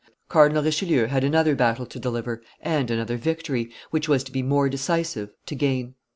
Cardinal Richelieu had another battle to deliver, and another victory, which was to be more decisive, to gain.